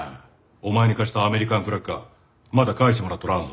お前に貸したアメリカンクラッカーまだ返してもらっとらんぞ。